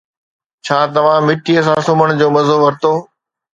ڇا توهان مٽي سان سمهڻ جو مزو ورتو؟